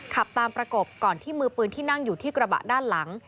ขับตามประกบก่อนที่มือปืนที่นั่งอยู่ที่กระบะด้านหลัง